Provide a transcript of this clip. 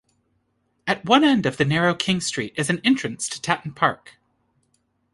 At one end of the narrow King Street is an entrance to Tatton Park.